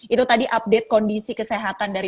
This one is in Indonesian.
itu tadi update kondisi kesehatan dari